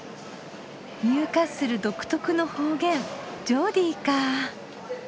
ニューカッスル独特の方言ジョーディーかぁ。